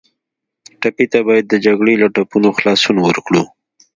ټپي ته باید د جګړې له ټپونو خلاصون ورکړو.